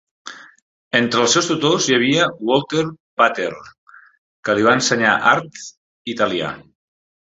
Entre els seus tutors hi havia Walter Pater, que li va ensenyar art italià.